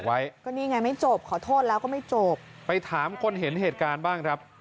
ไว้ก็นี่ไงไม่จบขอโทษแล้วก็ไม่จบไปถามคนเห็นเหตุการณ์บ้างครับ